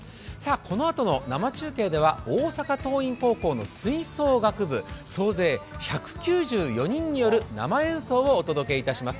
このあとの生中継では大阪桐蔭高校の吹奏楽部、総勢１９４人による生演奏をお届けいたします。